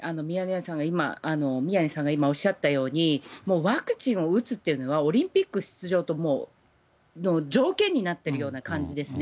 宮根さんが今、おっしゃったように、もうワクチンを打つっていうのは、オリンピック出場のもう条件になっているような感じですね。